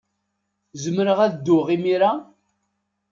Zemreɣ ad dduɣ imir-a?